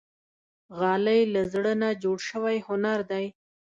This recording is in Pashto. غالۍ له زړه نه جوړ شوی هنر دی.